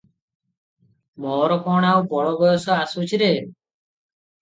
ମୋର କଣ ଆଉ ବଳ ବୟସ ଆସୁଛି ରେ?